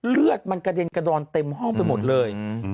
เลือดมันกระเด็นกระดอนเต็มห้องไปหมดเลย